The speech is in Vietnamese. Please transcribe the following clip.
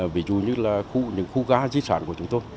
ví dụ như là những khu gá di sản của chúng tôi